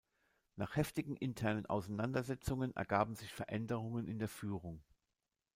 Nach heftigen internen Auseinandersetzungen ergaben sich Veränderungen in der Führung.